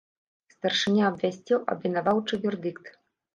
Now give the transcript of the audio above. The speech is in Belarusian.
Старшыня абвясціў абвінаваўчы вердыкт.